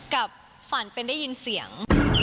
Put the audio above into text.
กับฝันเป็นได้ยินเสียง